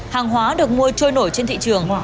hàng hóa được mua trôi nổi trên thị trường